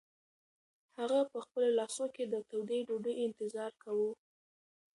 هغه په خپلو لاسو کې د تودې ډوډۍ انتظار کاوه.